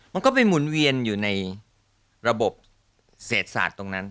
มันก็ไปหมุนเวียนอยู่ในระบบเศรษฐศาสตร์ตรงนั้น